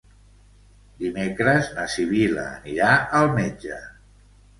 Dimecres na Sibil·la anirà al metge.